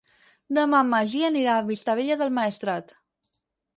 Demà en Magí anirà a Vistabella del Maestrat.